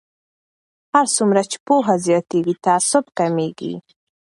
هر څومره چې پوهه زیاتیږي تعصب کمیږي.